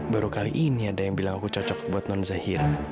baru kali ini ada yang bilang aku cocok buat non zahira